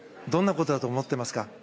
どんなことだと思っていますか？